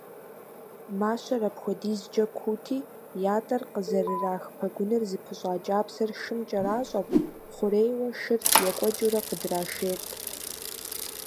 Мащэр апхуэдизкӏэ куути, ятӏэр къызэрырах пэгуныр зыпыщӏа кӏапсэр шым кӏэращӏэрт, хъурейуэ шыр екӏуэкӏыурэ къыдрашейрт.